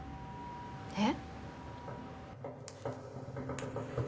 えっ？